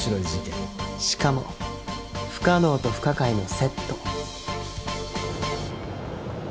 しかも不可能と不可解のセット。